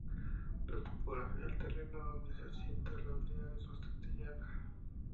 La topografía del terreno donde se asienta la aldea es bastante llana.